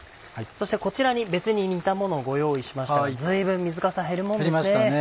そしてこちらに別に煮たものをご用意しましたが随分水かさ減るもんですね。